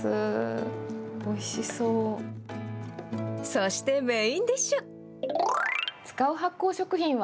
そして、メインディッシュ。